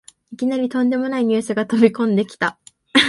いきなりとんでもないニュースが飛びこんできた